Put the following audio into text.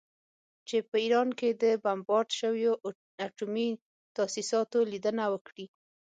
چې په ایران کې د بمبارد شویو اټومي تاسیساتو لیدنه وکړي